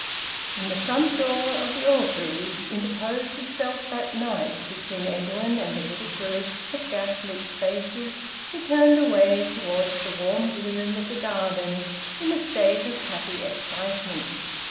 When the front door of the Orgreaves interposed itself that night between Edwin and a little group of gas lit faces, he turned away towards the warm gloom of the garden in a state of happy excitement.